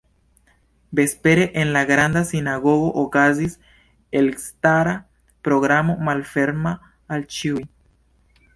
Vespere en la Granda Sinagogo okazis elstara programo malferma al ĉiuj.